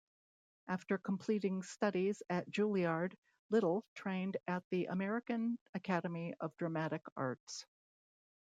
After completing studies at Juilliard, Little trained at the American Academy of Dramatic Arts.